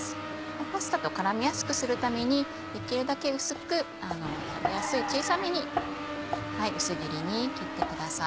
パスタと絡みやすくするためにできるだけ薄く食べやすい小さめに薄切りに切ってください。